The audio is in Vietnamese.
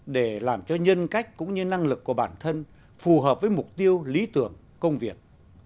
để làm cho nhân cách cũng như năng lực của bản thân phù hợp với mục tiêu lý tưởng công việc